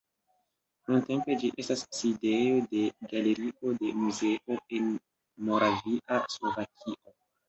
Nuntempe ĝi estas sidejo de Galerio de muzeo en Moravia Slovakio.